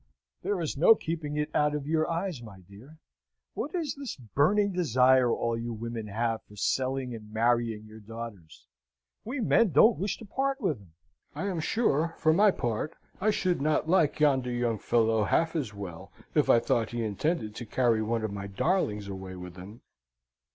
"There is no keeping it out of your eyes, my dear. What is this burning desire all you women have for selling and marrying your daughters? We men don't wish to part with 'em. I am sure, for my part, I should not like yonder young fellow half as well if I thought he intended to carry one of my darlings away with him."